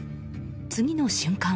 次の瞬間。